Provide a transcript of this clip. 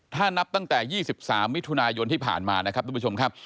ถ้านับตั้งแต่๒๓มิถุนายนที่ผ่านมานะครับทุกผู้ชมครับ